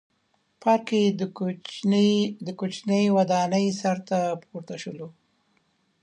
پارک کې د کوچنۍ ودانۍ سر ته پورته شولو.